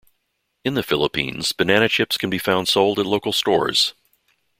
In the Philippines, banana chips can be found sold at local stores.